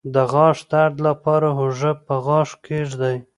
د غاښ درد لپاره هوږه په غاښ کیږدئ